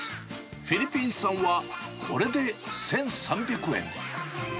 フィリピン産は、これで１３００円。